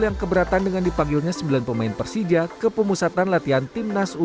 yang keberatan dengan dipanggilnya sembilan pemain persija ke pemusatan latihan timnas u dua puluh